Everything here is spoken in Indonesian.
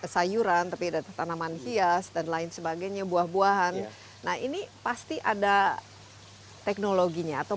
sayuran tapi ada tanaman hias dan lain sebagainya buah buahan nah ini pasti ada teknologinya atau